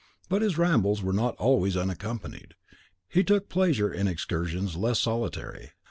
But his rambles were not always unaccompanied, he took pleasure in excursions less solitary.